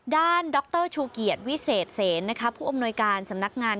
ดรชูเกียรติวิเศษเสนผู้อำนวยการสำนักงาน